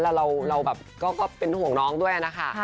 แล้วเราแบบก็เป็นห่วงน้องด้วยนะคะ